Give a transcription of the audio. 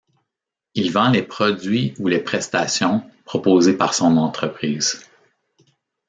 Il vend les produits ou les prestations proposées par son entreprise.